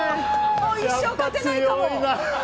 もう一生勝てないかも。